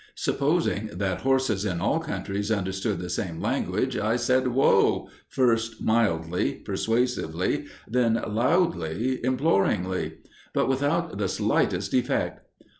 Supposing that horses in all countries understood the same language, I said "Whoa," first mildly, persuasively, then loudly, imploringly; but without the slightest effect.